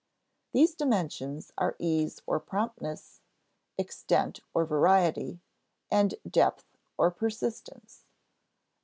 These dimensions are ease or promptness, extent or variety, and depth or persistence.